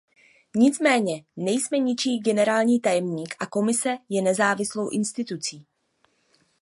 Nicméně nejsem ničí generální tajemník a Komise je nezávislou institucí.